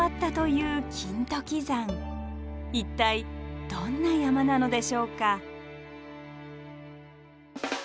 一体どんな山なのでしょうか。